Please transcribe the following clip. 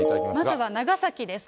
まずは長崎です。